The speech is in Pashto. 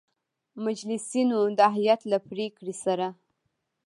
مجلسینو د هیئت له پرېکړې سـره